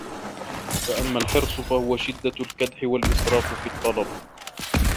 فَأَمَّا الْحِرْصُ فَهُوَ شِدَّةُ الْكَدْحِ وَالْإِسْرَافِ فِي الطَّلَبِ